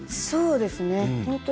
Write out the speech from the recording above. そうですね。